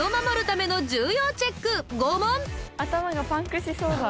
頭がパンクしそうだ。